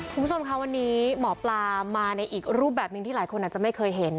คุณผู้ชมค่ะวันนี้หมอปลามาในอีกรูปแบบหนึ่งที่หลายคนอาจจะไม่เคยเห็น